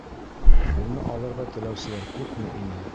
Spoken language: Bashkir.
Уны алырға теләүселәр күпме ине!